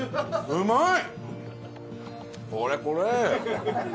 うまい！